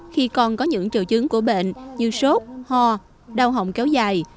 khi con có những triệu chứng của bệnh như sốt ho đau hỏng kéo dài